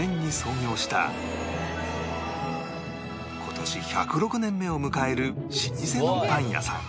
今年１０６年目を迎える老舗のパン屋さん